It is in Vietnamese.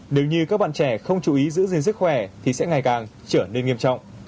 nếu như các bạn trẻ không chú ý giữ gìn sức khỏe thì sẽ ngày càng trở nên nghiêm trọng